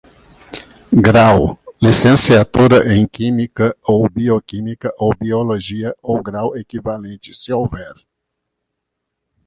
Grau: Licenciatura em Química, ou Bioquímica ou Biologia, ou grau equivalente, se houver.